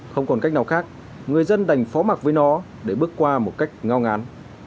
không còn cách nào khác người dân đành phó mặt với nó để bước qua một cách ngao ngán